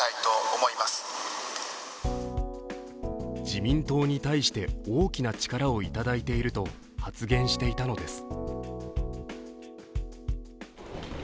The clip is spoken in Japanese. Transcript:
自民党に対して大きな力をいただいていると発言していたのです。